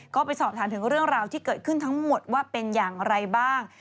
ก็ไปสอบถามถึงเรื่องราวที่เกิดขึ้นทั้งหมดว่าเป็นอย่างไรบ้าง